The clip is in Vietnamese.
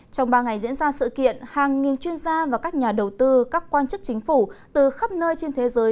trong ba ngày diễn ra sự kiện hàng nghìn chuyên gia và các nhà đầu tư các quan chức chính phủ từ khắp nơi trên thế giới